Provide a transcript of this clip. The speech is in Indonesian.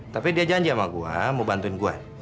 tapi dia janji sama gua mau bantuin gue